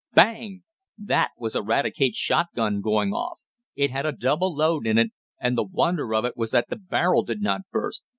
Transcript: BANG! That was Eradicate's shotgun going off. It had a double load in it, and the wonder of it was that the barrel did not burst.